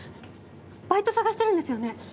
バイト探してるんですよね？